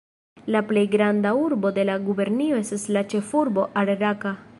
La plej granda urbo de la gubernio estas la ĉefurbo Ar-Raka.